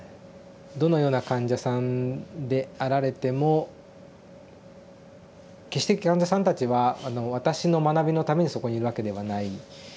どのような患者さんであられても決して患者さんたちは私の学びのためにそこにいるわけではない。